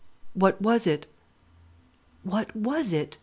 What was it? What was it?